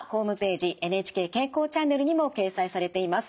ＮＨＫ健康チャンネルにも掲載されています。